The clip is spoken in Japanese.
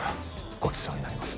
ごちそうになります